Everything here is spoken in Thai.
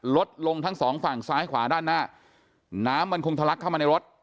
ลดลงทั้งสองฝั่งซ้ายขวาด้านหน้าน้ำมันคงทะลักเข้ามาในรถ